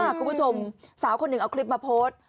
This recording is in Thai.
คุณผู้ชมสาวคนหนึ่งเอาคลิปมาโพสต์